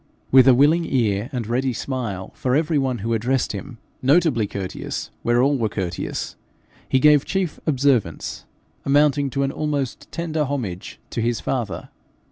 With a willing ear and ready smile for every one who addressed him, notably courteous where all were courteous, he gave chief observance, amounting to an almost tender homage, to his father.